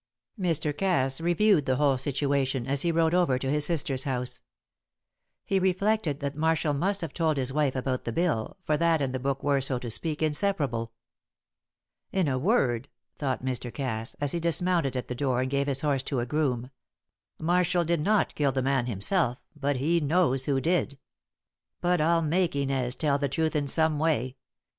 Mr. Cass reviewed the whole situation as he rode over to his sister's house. He reflected that Marshall must have told his wife about the bill, for that and the book were, so to speak, inseparable. "In a word," thought Mr. Cass, as he dismounted at the door and gave his horse to a groom, "Marshall did not kill the man himself, but he knows who did. But I'll make Inez tell truth in some way.